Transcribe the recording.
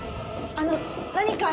あの何か。